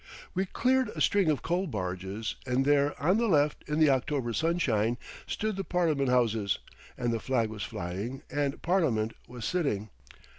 We cleared a string of coal barges and there on the left in the October sunshine stood the Parliament houses, and the flag was flying and Parliament was sitting.